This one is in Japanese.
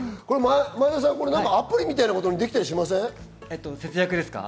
前田さん、これアプリみたいなことできたりしません？